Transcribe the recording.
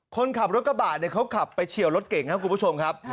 คนขับรถกระบะเนี่ยเขาขับไปเฉียวรถเก่งครับคุณผู้ชมครับ